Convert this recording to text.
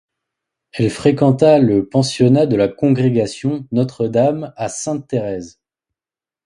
Elle fréquenta le pensionnat de la Congrégation Notre-Dame à Sainte-Thérèse.